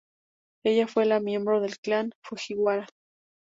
Ella fue la miembro del clan Fujiwara.